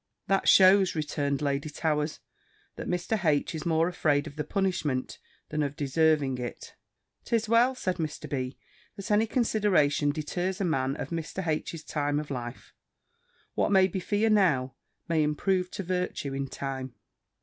"That shews," returned Lady Towers, "that Mr. H. is more afraid of the punishment, than of deserving it." "'Tis well," said Mr. B.," that any consideration deters a man of Mr. H.'s time of life. What may be fear now, may improve to virtue in time."